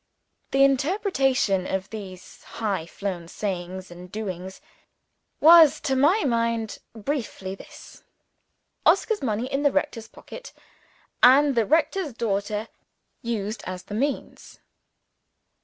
The interpretation of these high flown sayings and doings was, to my mind, briefly this: Oscar's money in the rector's pocket, and the rector's daughter used as the means.